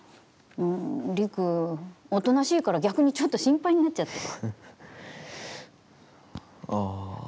りく、おとなしいから逆にちょっと心配になっちゃって。